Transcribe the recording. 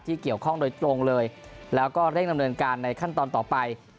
เกี่ยวข้องโดยตรงเลยแล้วก็เร่งดำเนินการในขั้นตอนต่อไป